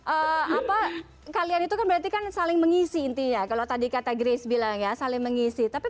apa kalian itu kan berarti kan saling mengisi intinya kalau tadi kata grace bilang ya saling mengisi tapi